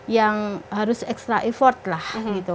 yang harus extra effort lah gitu